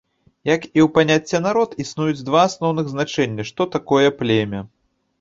Як і ў паняцця народ, існуюць два асноўных азначэння, што такое племя.